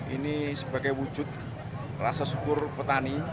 ini sebagai wujud rasa syukur petani